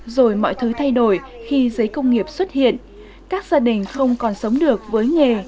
rồi mọi thứ thay đổi khi giấy công nghiệp xuất hiện các gia đình không còn sống được với nghề